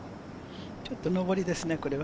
ちょっと上りですね。